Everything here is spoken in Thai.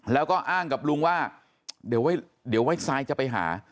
แล้วก็อ้างกับลุงว่าเดี๋ยวไว้ทรายจะไปหา